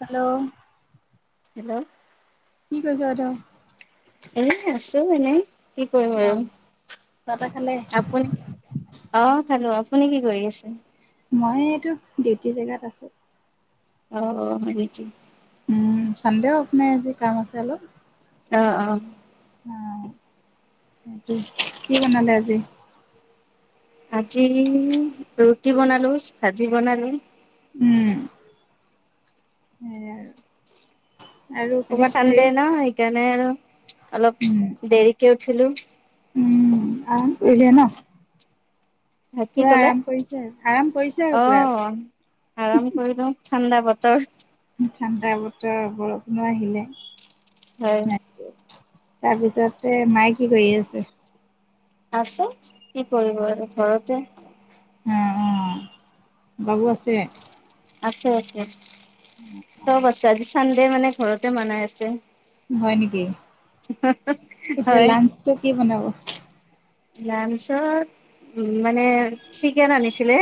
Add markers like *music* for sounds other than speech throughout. Hello. Hello. কি কৈছ এতি এ আছো এনেই। কি কৰিম অ আৰু চাহ তাহ খালে? আপুনি অ', খালোঁ অ'। আপুনি কি কৰি আছে মই এইটো দেউটি জেগাত আছো *unintelligible* অ অ মান *unintelligible* উম চানডেও আপোনাৰ আজি কাম আছে অলপ অ অ অ সেইটো কি বনালে আজি আজি ৰুটি বনালো ভাজি বনালো উম স আৰু আৰু আজি কৰ'বাত হেৰি চানডে ন সেইকাৰণে আৰু অলপ উম দেৰিকে উঠিলো এে ন *unintelligible* ভ কি পুৰা কলে আৰাম কৰিছে আৰাম কৰিছে আৰু পুৰা। আহ আৰাম কৰি লো ঠাণ্ডা বতৰ চঠাণ্দা বতৰ বৰষণো আহিলে *unintelligible* হয় তাৰপিছতে মায়ে কি কৰি আছে আছে কি কৰিব আৰু ঘৰতে অ অঁ বাবু আছে *unintelligible* আছে আছে অ চব আছ আজি চানডে মানে ঘৰতে বনাই আছে হয় নেকি এতিয়া লাঞ্চটো কি বনাব লাানঞ্চত উ মানে চিকেন আনিছিলে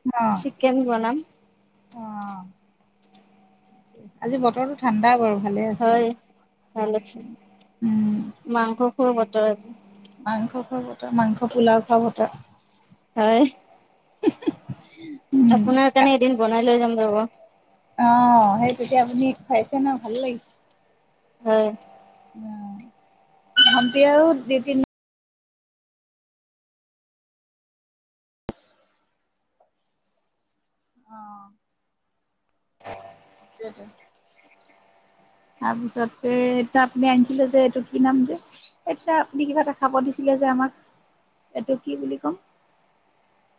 অ চিকেন বনাম *unintelligible* অ আজি বতৰটো ঠাণ্ডা বাৰু ভালে আছে হয় অলপ ভাল আছে উম মাংস খোৱা ব ত মাংস খোৱা বতা মাংস পোলাও খোৱা বতা হয় উ আপোনাৰ কাৰণে এদিন বনাই লৈ যাম যাব তেতিয়াআপুনি ফাইচ ন ভাল লাগিছে *unintelligible* হয় উ ধতি আৰু দুতিনি *unintelligible* অ উম তাৰপিছতে এতিয়া আপুনি আনিছিলে যে এইটো কি নাম যে এতিয়া আপুনি কিবা এটা খাব দিছিলে যে আমাক এইটো কি বুলি কম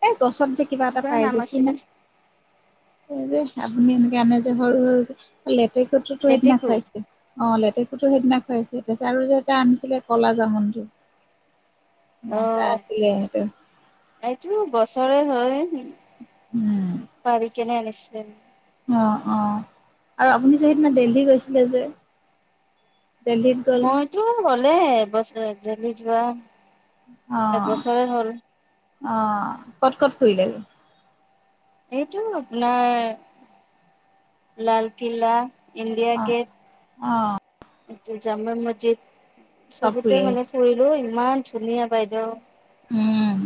*unintelligible* গছত যে কিবা এটা পাই নাম যে কি আছিলে ন যে আপুনি এনেকে আনে যে সৰু সৰুক লে ত কো তো ন লেটেকু *unintelligible* াইছে অ লেতে *unintelligible* টো সেইদিনা খুৱাইছে তাৰপিছত আৰু যে এটা আনিছিলে কলা জামনটো অ এইটো বছৰে হয় উম পাৰি কেনে আনিছিলে উম অ অ আৰু আপুনি যে সেইদিনা দেলহি গৈছিলে যে দেলহীত গ'লো কলে ব জদি যোৱা অ এবছৰে হ'ল অ ক'ত ক'ত ফুৰিলে এইটো আপোনাৰ লালকিল্লা ইণ্ডিয়া অ কে অ এয়া জামা মছজিদ চব ফুৰি চবতে মানে আহিছে ফুৰিলোঁ ইমান ধুনীয়া বাইদেউ উম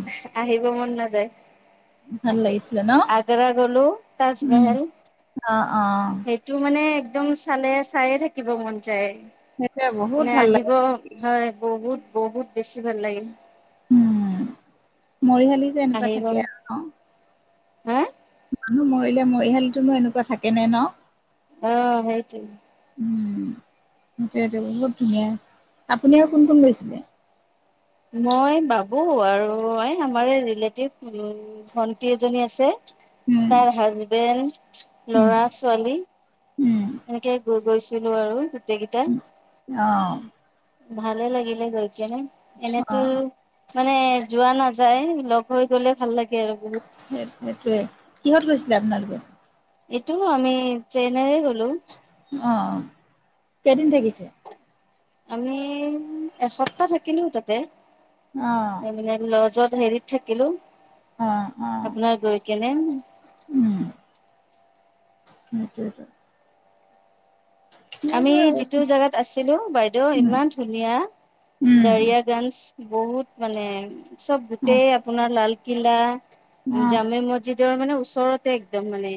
আহিব মন নাযায় ভাল লাগিছিলে ন আগ্ৰা গলো উম তাজমহেল অ অ সেইটো মানে একদম চালে চায়ে থাকিব মন যাই সেইটোৱে বহুত মানে ভাল আহিব লাগে হয় বহুত বহুত বেছি ভাল লাগিল মৰিহালি যে এনেকুৱা আহিব থাকে অ হা মানুহ মৰিলে মৰিহাল তনো এনেকুৱা থাকে নে ন অ সেইটো উম, সেইটোৱেটো বহুত ধুনীয়া আপুনি আৰু কোন কোন গৈছিলে মই বাবু আৰু আমাৰ ৰিলেটিভ ভন্টি এজনী আছে উম, তাৰ হাজবেণ্ড উম, লৰা ছোৱালী উম। এনেকে গৈ গৈছিলো আৰু গোটেই কেইটা অ', ভালে লাগিলে গৈ কিনে এনেতো অ', মানে যোৱা নাযায় লগ হৈ গ'লে ভাল লাগে আৰু বহুত সেই সেইটোৱ কিহত গৈছিলে আপোনালোকে এইটো আমি চ্ৰেইনাই গ'লো অ অ কেইদিন থাকিছে আমি এসপ্তাহ থাকিলো তাতে অ', এই মি লজত হেৰিত থাকিলো অ', অ', আপোনাৰ গৈ কেনে সেইটয়টোয় আমি আৰু যিটো জোগাত আছিলো বাইদেউ উম, ইমান ধুনীয়া উম, দাৰিয় গঞ্জ বহুত মানে চব অ', গোটেই আপোনাৰ লাল কিলা অ', জামে মছজিদ নিজৰ মানে ওচৰতে একদম মানে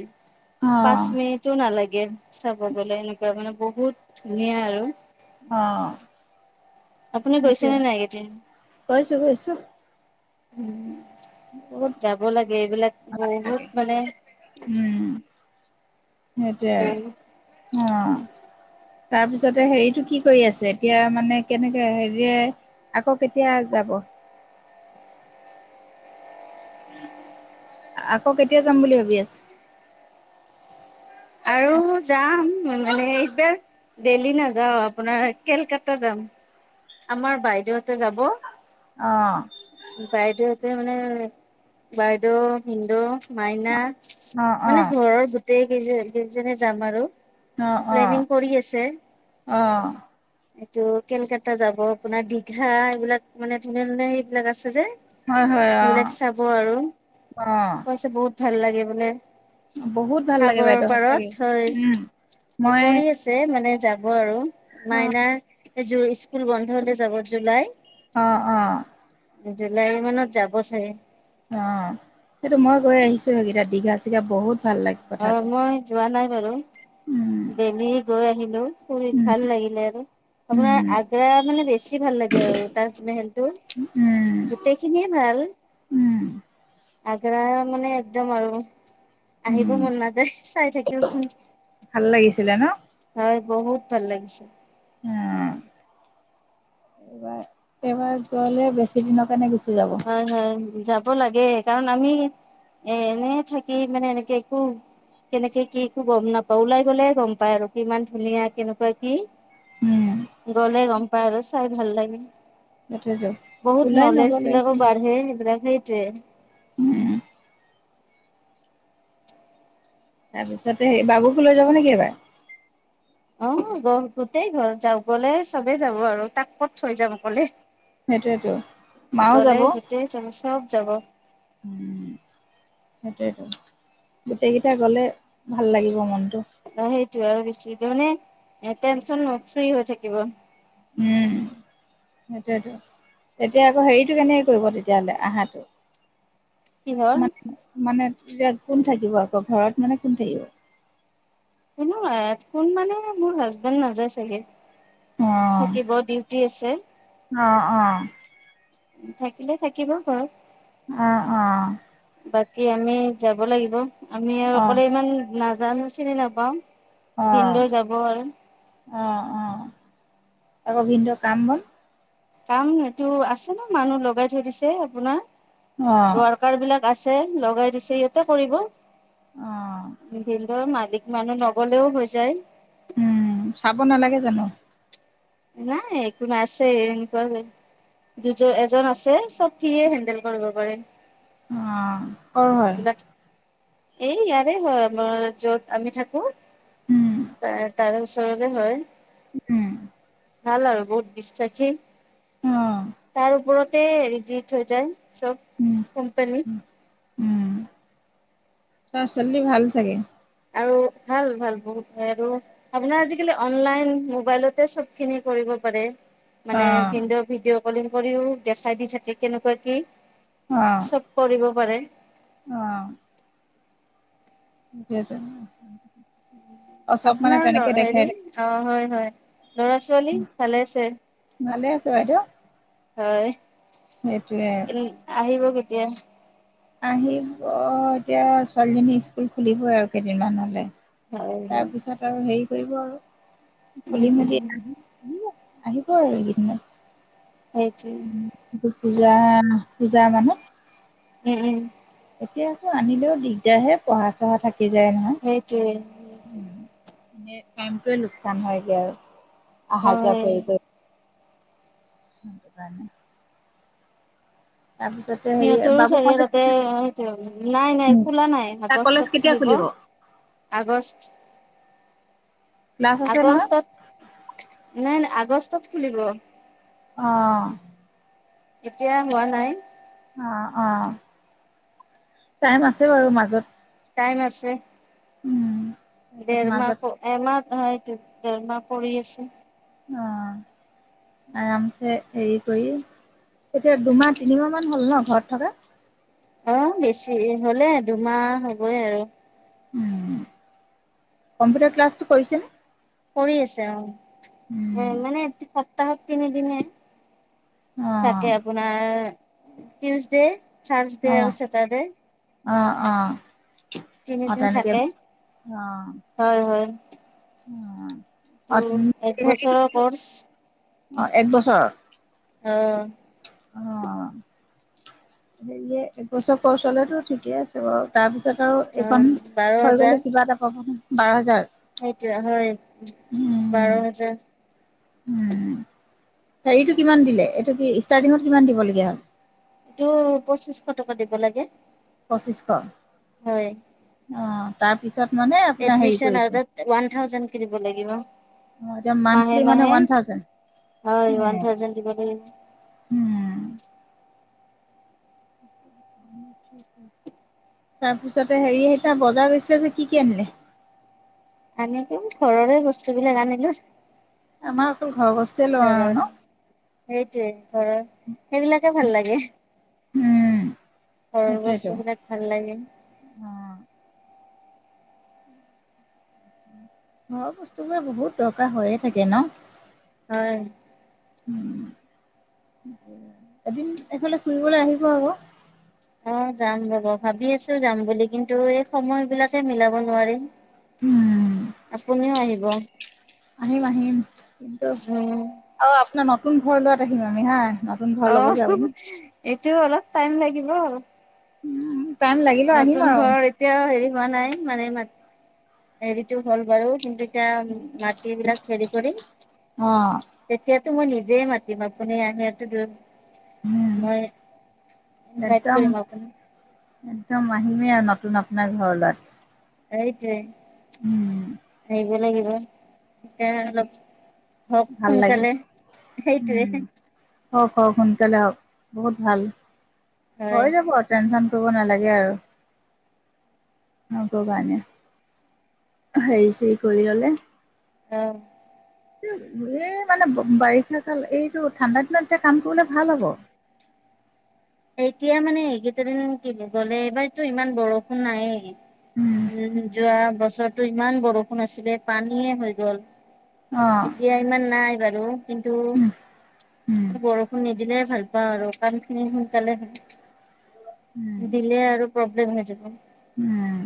পাঁচ অ', মিনিটো নালাগে চাব গলে এনেকুৱা মানে বহুত ধুনীয়া আৰু আহ আপুনি কৈছেনে নাই কেতিয়া কৈছো কৈছো উম যাব লাগে এইবিলাক ভাল বহুত লাগে। মানে সেইটয়ে আৰু অ তাৰপিছতে হেৰিতটো কি কৰি আছে এতিয়া মানে কেনেকে হেৰিয়ৰে আকৌ কেতিয়া যাব আকৌ কেতিয়া যাম বুলি ভাবি আছো আৰু যাম মানে এইবাৰ দেল্হি নাযাও আপোনাৰ কেলকাতা যাম আমাৰ বাইদেউতে যাব অ বাইদেউহতে মানে বাইদেউ হিন্দু মাইনা অ', মানে অ', ঘৰৰ গ গোটেই কেইজ কেইজনে যাম আৰু আহ আহ প্লেনিং কৰি আছে আহ এইটো কেলকাতা যাব আপোনাৰ দীঘা এইবিলাক মানে ধুনীয়া ধুনীয়া সেই বলেগ আছে যে হয় হয় আহ সেইবিলাক চাব আৰু অ কৈছে বহুত ভাল লাগে মানে বহুত ভাল লাগে বাইদেউ সচাকে হয় উম মই কৰি আছে মানে যাব আৰু অ', মাইনা যোৰ স্কুল বন্ধ হলে যাব জুলাই অ অ। জুলাই মানত যাব চাগে। অ সেইটো মই গৈ আহিছো সেইকেইটা দীঘা চিঘা বহুত। ভাল লাগে অ কথাটো মই যোৱা নাই বাৰু উম, দেল্লহী গৈ আহিলো। হেল্ল' *unintelligible* উম, ভাল লাগিলে আৰু আপোনাৰ উম, আগ্ৰা মানে বেছি ভাল লাগে আৰু তাজমহেলটো উম, গোটেই খিনিয়ে ভাল উম, আগ্ৰা। মান একদম আৰু। আহিব উম, মন নাযায় চাই থাকিবম। ভাল লাগিছিলে ন? বহুত ভাল লাগিছে। উ এইবাৰ এইবাৰ গলে বেছি দিনৰ কাৰণে গুছি। হয় হয় ৰাম। লাগে কাৰণ আমি এ এনে থাকি মানে এনেকে একো কেনেকে কি একো গম নাপাওঁ ওলাই গলে গম পায় আৰু কিমান ধুনীয়া কেনেকুৱা কি। উম গ'লে গম। পাৰ চাই ভাল লাগে। সেইটো ওলাই নগল। এই বিলাকো বাঢ়ে সেইবিলাক সে। তে। উম। তাৰপিছতে স বাবুকো লৈ যাব নেকি এইবাৰ। অ গ গোটেই ঘৰ যা গলে চবে যাব আৰু তাক ক'ত থৈ যাম কলে। সেইটয়েতো মাও যাব। গোটেই যাব চব যাব। উ সেইটোয়েইো গোটেই কেইটা গলে ভাল লাগিব মনটো। অ সেইটোয় আৰু বেছি মানে টেনচন ফ্ৰী হৈ থাকিব। উম সেইটোয়েতো তেতিয়া আকৌ হেৰিটো কেনেকে কৰিব তেতিয়াহলে আহাটো। কিহল। এতিয়া কোন থাকিব আকৌ ঘৰত মানে কোন থাকিব। কোনো কোন মানে মোৰ হাজবেণ্ড নাযায় চাগে। অ থাকিব ডিউটি আছে। অ অ থাকিলে থাকিবা ঘৰত। অহ অ। বাকী আমি যাব লাগিব। আমি আৰু অ অকলে ইমান নাজ। জান হৈছিলে নাপাওঁ। ভিনিদেউ যাব আৰু। অঁ অঁ আকৌ ভিনটো কাম গ'ল। কাম এইটো আছে ন মানুহ লগাই থৈ দিছে আপোনাৰ। অ ৱাৰকাৰ বিলাক। আছে লগাই দিছে ইহঁতে কৰিব অ', দ ম *unintelligible* মানুহ নগলেও হৈ যায়। উম, চাব নালাগে জানো। নাই একো নাই আছে এনেকুৱা এজন আছে চব *unintelligible* সিয়ে হেণ্ডেল কৰিব পাৰে। অহ কম হয়। এইবিলাক এই ইয়াৰে হয়, আমাৰ- য'ত আমি থাকো উম তাৰ ওচৰৰে হয়। *unintelligible* উম ভাল আৰু বহুত বিশ্বাসী। অ *unintelligible* তাৰ ওপৰত তেই আৰথিছ হৈ যায়। *unintelligible* চব উম কোম্পানী--। উম অহ ছোৱালী জনি ভাল চাগে। আৰু ভাল ভাল বহুত আৰু আপোনাৰ আজিকালি অনলাইন মোবাইলতে চব খিনি কৰিব পাৰে। *unintelligible* অ মানে ভিনদেউ ভিনডেঅ কলিং কৰিও দেখাই দি থাকে কেনেকুৱা কি অ চব কৰিব পৰে। *unintelligible* অ খেইজন। *unintelligible* আপোনাৰ লৰা হেৰি অ হয়। হয়। ল'ৰা ছোৱালী ভালে আছে। ভালে আছে বাইদেউ। হয়। সেইটোৱে এদিন আহিব কিন্তু। তেতিয়ান। আহিব এতিয়া, ছোৱালীজনীৰ স্কুল খুলিবই আৰু কেইদিনমান হলে। হয় *unintelligible* তাৰ হয় পিছত আৰু হেৰি কৰিব আৰু *inaudible* উম খুলি মেলি উম থম। আহিব আৰু সেইটোৱে এইকেইদিনত। পূজা ন। পূজাৰ মানুহ নেৰিম। এতিয়া আকৌ আনিলেও দিগদাৰ হে পঢ়া চঢ়া থাকে। হৈ যায় নহয়। সেইটোৱে। মানে কাইমটোৱে লোকচান হয়গে আৰু আহ হ যা হয় কৰি ক নটো তানে? হেৰি সিহঁতৰো বাবু চাগে কলেজ তাতে সটো নাই নাই খোলা নাই তাৰ কলেজ আগষ্টত কেতিয়া খুলিব আগষ্ট ক্লাছ আছে নহয়? আগাত নাই ন? আগষ্টত খুলিব আহ। এতিয়া হোৱা নাই। অ অ টাইম আছে বাৰু মাজত। টাইম আছে উম তাৰপিছত দেৰা মাজত এম হয় ৰমাহ কৰি আছে। অ আৰামছে হেৰি কৰি এতিয়া দুমাহ তিনিমাহ মান হ'ল ন ঘৰত থকা অ বেছি হলে দুমাহ হ'বই আৰু উ কম্পিউটাৰ ক্লাছটো কৰিছেনে? কৰি আছে অ এ উম, মানে স্তাহত তিনি দিনে? অ'। থাকে আপোনাৰ টউজডে খাৰছ দেয় আৰু অ', চততে অ অ অ', তিনিদিন তেনেকে থাকে হয় হয় । উ ত এক বছৰৰ কৰ্চ অ এক বছৰ আহ। অ। হেৰিয়ে একবছৰ পচলেতো ঠিকে আছে বাৰু তাৰ পিছত আৰু এইখন অ', বাৰ হৈ গ'লে কিবা এটা প্ৰবলেম বাৰ হাজাৰ সেইটোহয় বাৰ হাজাৰ উ হৰিটো কিমান দিলে এইটো কি ষ্টাৰ্টিঙত কিমান দিবলগীয়া হ'ল। টো পঁচিশশ টকা দিব লাগে প্ৰচিচ শ হয় অ' তাৰপিছত মানে আপোনাৰ হেৰি এডমিচন আৰু কৰিছে তাত ওৱান থাউজেণ্ডকে দিব লাগিব, অ', এতিয়া মান্থলি মানে মাহে-মাহে, ওৱান থাউজেণ্ড হয় ওৱান থাউজেণ্ড দিব লাগিব। উম, তাৰপিছতে হেৰি সেইদিনা বজাৰ গৈছিল যে কি কি আনিলে? আনিলো ঘৰৰে বস্তু বিলাক আনিলো। আমাৰ অকল ঘৰৰ বস্তুৱে লোৱা আৰু লগাৰ ন? সেইটোৱে ঘৰৰ সেইবিলাকে ভাল লাগে উম ঘৰৰ সেইটোয়েতো বস্তুবিলাক ভাল লাগে। অ। ঘৰৰ বস্তুবিলাক বহুত দৰকাৰ হৈয়ে থাকে ন? হয় এদিন এফালে ফুৰিবলৈ আহিব আকৌ অ যাম ৰব, ভাবি আছো যাম বুলি কিন্তু এই সময় বিলাকে মিলাব নোৱাৰিম। উম, আপুনিও আহিব আহিম-আহিম কিন্তু উম আপোনাৰ নতুন ঘৰ লোৱাত আহিম আমি হা নতুন ঘৰ অ ল'ব যে আপুনি। এইটো অলপ টাইম লাগিব উম টাইম লাগিলেও আহিম নতুন আৰু ঘৰৰ এতিয়াও হেৰি হোৱা নাই মানে মাত হেৰিটো হ'ল বাৰু, কিন্তু এতিয়া *unintelligible* বিলাক হেৰি কৰি অ তেতিয়া টো মই নিজে মাতিম আপুনি মই ইনভাইট উম একদম কৰিম আপোনাক একদম আহিমেই আৰু নতুন আপোনাৰ ঘৰ লোৱাত সেইটোয়ে উম আহিব লাগিব এতিয়া আৰু অলপ হক ভাল লাগে সোনকালে, উম। সেইটোৱে হওক, হওক, সোনকালে হওক, বহুত ভাল হয় হৈ যাব টেনচন কৰিব নালাগে আৰু *unintelligible* কাৰণে, হেৰি-চৰি কৰি ললে আহ এই মানে বাৰিষা কাল, এইটো ঠাণ্ডা দিনত এতিয়া কাম কৰিলে ভাল হ'ব এতিয়া মানে এইকেইটা দিন কি বুলি গ'লে এইবাৰতো ইমান বৰষুণ নাইয়ে উম যোৱা বছৰ বছৰটো ইমান বৰষুণ আছিলে পানীয়ে হৈ গল, অ এতিয়া ইমান নাই জানো। কিন্তু উম উম বৰষুণ নিদিলে ভাল পাওঁ আৰু কাম খিনি *unintelligible* দিলে আৰু প্ৰব্লেম হৈ যাব। উম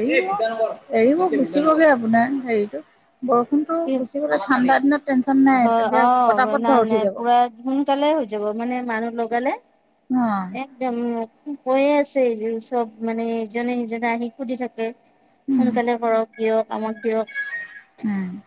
এৰি এৰিব গুচিবগে আপোনাৰ হেৰিটো। বৰষুণতো কি গুচি গ'লে ঠাণ্ডা দিনত। টেনচন নাই হয় তেতিয়া অ পতাপত ঘৰ নাই উঠি নাই যাব পুৰা সোনকালে হৈ যাব মানে মানুহ লগ। গলে। অ একদম কৈয়ে আছে এইয চব মানে ইজনে সিজনে আহি সুধি থাকে। উম সোনকালে কৰক দিয়ক। কামত দিয়ক। উম।